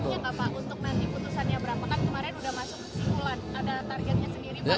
ada targetnya sendiri pak